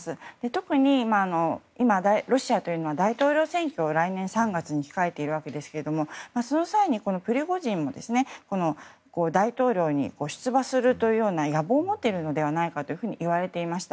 特に、今、ロシアというのは大統領選挙を来年３月に控えているわけですがその際に、プリゴジンも大統領選挙に出馬するという野望を持っているのではといわれていました。